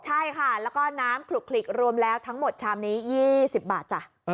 ใช่ค่ะแล้วก็น้ำขลุกรวมแล้วทั้งหมดชามนี้๒๐บาทจ้ะ